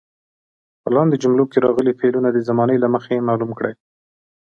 په لاندې جملو کې راغلي فعلونه د زمانې له مخې معلوم کړئ.